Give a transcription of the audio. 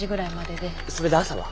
それで朝は？